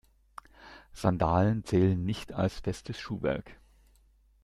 Sandalen zählen nicht als festes Schuhwerk.